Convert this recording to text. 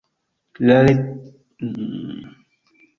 La telero restas apud ŝi.